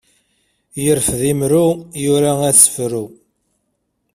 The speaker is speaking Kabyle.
Yerfed imru, yura asefru.